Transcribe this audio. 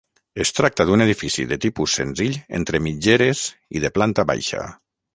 Es tracta d'un edifici de tipus senzill entre mitgeres i de planta baixa.